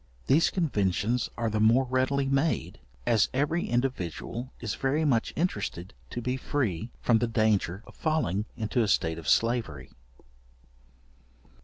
These conventions are the more readily made, as every individual is very much interested to be free from the danger of falling into a state of slavery.